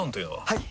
はい！